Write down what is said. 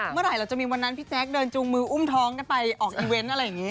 เมื่อไหร่เราจะมีวันนั้นพี่แจ๊คเดินจูงมืออุ้มท้องกันไปออกอีเวนต์อะไรอย่างนี้